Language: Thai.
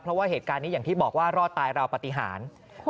เพราะว่าเหตุการณ์นี้อย่างที่บอกว่ารอดตายราวปฏิหาร